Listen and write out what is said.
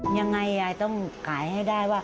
ยังไงยายต้องขายให้ได้ว่า